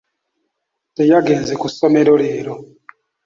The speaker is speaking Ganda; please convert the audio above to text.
Teyagenze ku ssomero leero.